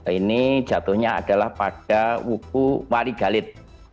ini jatuhnya adalah pada wuku warigalit